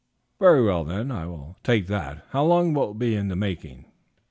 "Very well, then, I will take that. How long will it be making?"